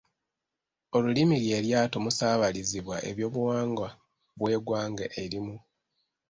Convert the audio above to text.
Olulimi lye lyato omusaabalizibwa ebyobuwangwa bw'eggwanga erimu.